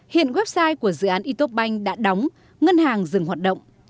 hiện website của dự án itobank đã đóng ngân hàng dừng hoạt động